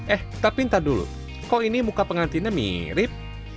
eh tapi ntar dulu kok ini muka pengantinnya mirip